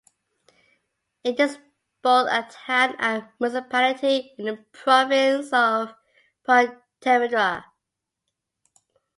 It is both a town and municipality in the province of Pontevedra.